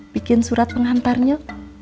bikin surat pengantarnya